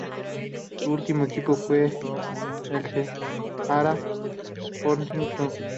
Su último equipo fue el Ceará Sporting Club.